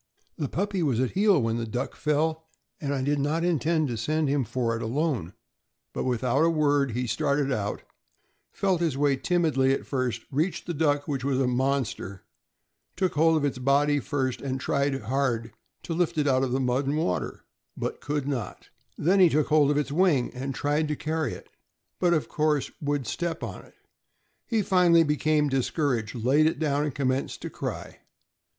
The puppy was at heel when the duck fell, and I did not intend to send him for it alone; but without a word he started out, felt his way timidly at first, reached the duck, which was a monster, took hold of its body first and tried hard to lift it out of the mud and water, but could not; then took hold of its wing and tried to carry it, but of course would step on it. He finally became discouraged, laid it down, and commenced to cry.